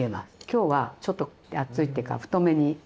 今日はちょっと厚いっていうか太めに。